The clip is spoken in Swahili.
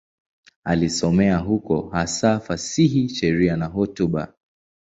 Alisomea huko, hasa fasihi, sheria na hotuba.